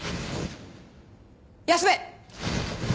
休め！